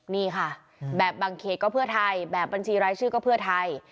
นี่ค่ะแบบบางเขตก็เพื่อไทยแบบบัญชีรายชื่อก็เพื่อไทย